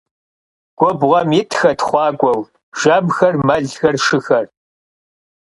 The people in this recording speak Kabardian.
Gubğuem yitxet xhuak'ueu jjemxer, melxer, şşıxer.